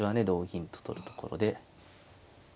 同銀と取るところで。